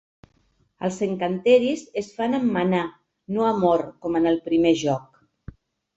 Els encanteris es fan amb mannà, no amb or com en el primer joc.